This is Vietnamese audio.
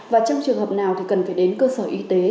và trong trường hợp nào thì cần phải đến cơ sở y tế